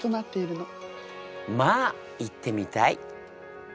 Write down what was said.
まあ行ってみたい。